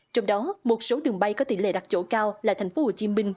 trong đó một số đường bay có tỷ lệ đặt chỗ cao là thành phố hồ chí minh